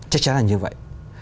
chắc chắn là như vậy